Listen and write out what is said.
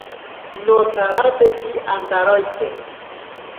Notsarateki antaroite.